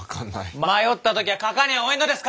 迷った時は書かにゃおえんのです！